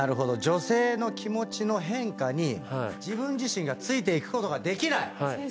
女性の気持ちの変化に自分自身がついていくことができない！